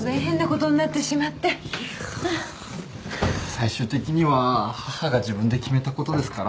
最終的には母が自分で決めたことですから。